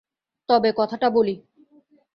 তবে কথাটা বলি।